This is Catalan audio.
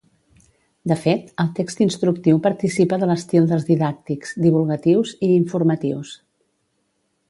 De fet, el text instructiu participa de l'estil dels didàctics, divulgatius i informatius.